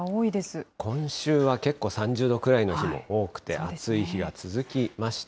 今週は結構３０度くらいの日も多くて、暑い日が続きました。